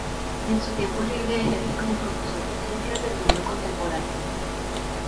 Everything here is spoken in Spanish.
En su tiempo libre ejerce como profesor de ciencias del mundo contemporáneo.